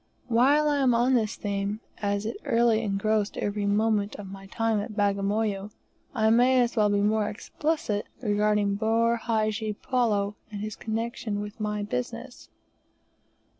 While I am on this theme, and as it really engrossed every moment of my time at Bagamoyo, I may as well be more explicit regarding Boor Hadji Palloo and his connection with my business.